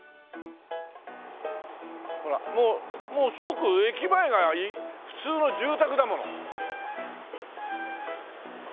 ほらもう即駅前が普通の住宅だもの。